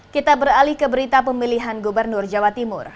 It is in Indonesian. kita beralih ke berita pemilihan gubernur jawa timur